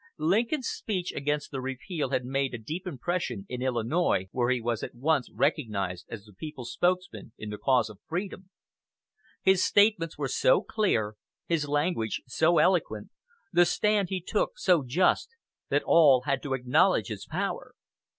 Lincoln's speech against the repeal had made a deep impression in Illinois, where he was at once recognized as the people's spokesman in the cause of freedom. His statements were so clear, his language so eloquent, the stand he took so just, that all had to acknowledge his power.